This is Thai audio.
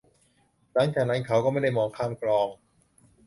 หลังจากนั้นเขาก็ไม่ได้มองข้ามกลอง